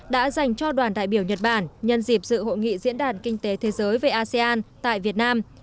đã dành cho đoàn đại biểu nhật bản nhân dịp dự hội nghị diễn đàn kinh tế thế giới về asean tại việt nam